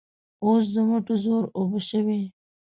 اوس د مټو زور اوبه شوی.